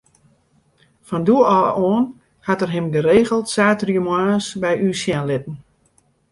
Fan doe ôf oan hat er him geregeld sneontemoarns by ús sjen litten.